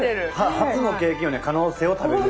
初の経験よね可能性を食べる。